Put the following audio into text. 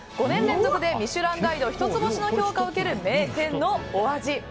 ５年連続で「ミシュランガイド」一つ星の評価を受ける名店のお味。